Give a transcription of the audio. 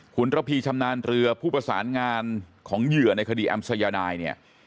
คุณระพีชำนาญเรือผู้ประสานงานของเหยื่อในคดีแอมสัยนายเนี่ย